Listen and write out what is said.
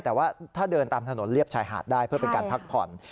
แต่ว่าถ้าเดินตามถนนเรียบชายหาดได้เพื่อเป็นการพักผ่อน